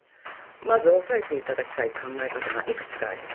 まず押さえていただきたい考え方がいくつかあります。